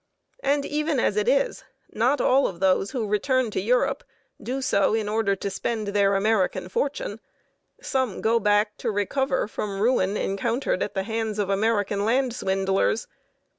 And even as it is, not all of those who return to Europe do so in order to spend their American fortune. Some go back to recover from ruin encountered at the hands of American land swindlers.